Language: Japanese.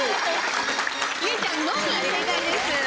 結実ちゃんのみ、正解です。